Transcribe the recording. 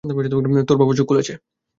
তোর বাবা চোখ খুলেছে!